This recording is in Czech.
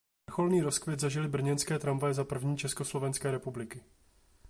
Vrcholný rozkvět zažily brněnské tramvaje za první československé republiky.